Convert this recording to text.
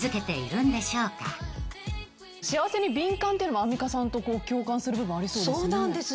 幸せに敏感っていうのもアンミカさんと共感する部分ありそうですね。